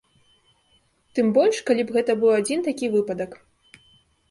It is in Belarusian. Тым больш калі б гэта быў адзін такі выпадак.